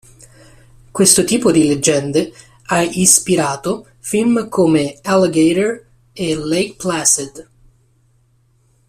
Questo tipo di leggende ha ispirato film come "Alligator" e "Lake Placid".